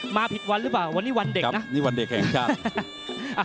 มาผิดวันหรือเปล่าวันนี้วันเด็กนะ